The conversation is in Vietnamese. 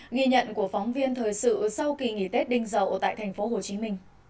nghi nhận của phóng viên thời sự sau kỳ nghỉ tết đinh dậu tại tp hcm